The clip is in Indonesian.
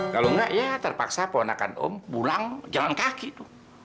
kalau enggak ya terpaksa ponakan om pulang jalan kaki tuh